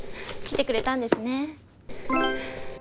来てくれたんですね。